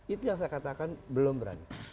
itu yang saya katakan belum berani